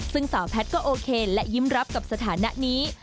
ซึ่งสาวแพทย์ก็โอเคและยิ้มรับกับสถานะนี้